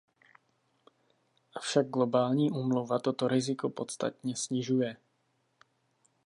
Avšak globální úmluva toto riziko podstatně snižuje.